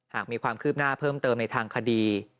หากมีความคืบหน้าเพิ่มเติมในทางคดี